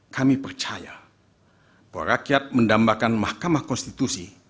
kami percaya bahwa rakyat mendambakan mahkamah konstitusi